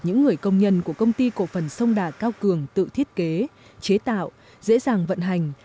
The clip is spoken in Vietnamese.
những người công nhân của công ty cổ phần sông đà cao cường tự thiết kế chế tạo dễ dàng vận hành